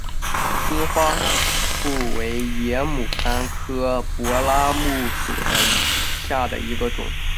金花树为野牡丹科柏拉木属下的一个种。